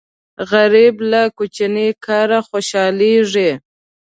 غریب له کوچني کاره خوشاليږي